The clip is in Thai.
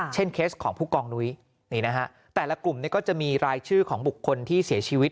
เคสของผู้กองนุ้ยนี่นะฮะแต่ละกลุ่มก็จะมีรายชื่อของบุคคลที่เสียชีวิต